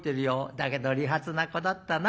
だけど利発な子だったな。